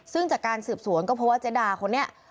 ซึ่งจากการสืบสวนก็เพราะว่าเจดาคนนี้